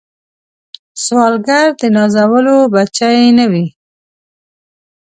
سوالګر د نازولو بچي نه وي